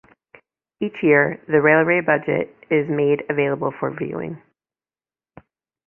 Each year, the railway budget is made available for viewing.